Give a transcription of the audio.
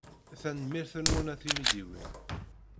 Tanemmirt-nwent a timidiwin.